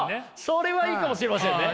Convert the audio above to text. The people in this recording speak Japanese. それはいいかもしれませんね。